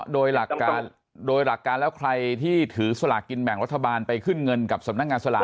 โดยหลักการและใครที่ถือศลากินแบ่งรัฐบาลไปขึ้นเงินกับสำนักงานศลากิน